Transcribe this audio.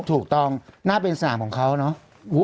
ถูกต้องน่าเป็นสนามของเขาเนอะ